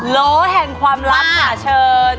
ล้วแห่งความลับค่ะเชิญ